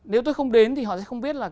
nếu tôi không đến thì họ sẽ không biết là